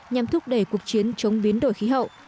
nhằm thúc đẩy cuộc chiến chống biến đổi khí hậu